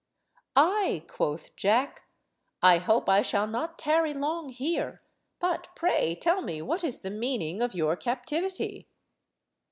"Ay," quoth Jack, "I hope I shall not tarry long here; but pray tell me what is the meaning of your captivity?"